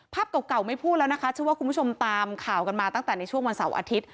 ภาพเก่าไม่พูดแล้วนะคะเชื่อว่าคุณผู้ชมตามข่าวกันมาตั้งแต่ในช่วงวันเสาร์อาทิตย์